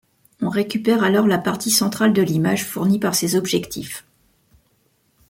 On récupère alors la partie centrale de l'image fournie par ces objectifs.